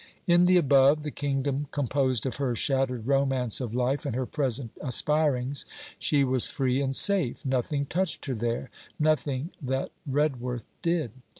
In the above, the kingdom composed of her shattered romance of life and her present aspirings, she was free and safe. Nothing touched her there nothing that Redworth did.